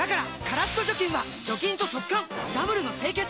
カラッと除菌は除菌と速乾ダブルの清潔！